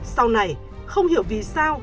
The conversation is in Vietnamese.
sau này không hiểu vì sao